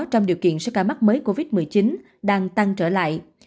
trong điều kiện số ca mắc mới covid một mươi chín đang tăng trở lại